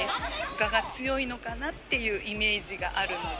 我が強いのかなというイメージがあるので。